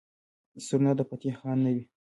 سورنا د فتح خان نه وي.